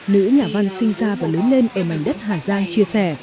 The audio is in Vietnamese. nữ nhà văn sinh ra và lớn lên ở mảnh đất hà giang chia sẻ